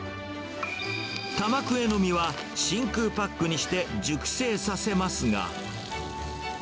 タマクエの身は、真空パックにして熟成させますが。